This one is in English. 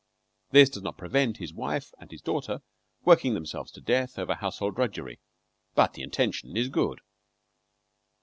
This does not prevent his wife and his daughter working themselves to death over household drudgery; but the intention is good.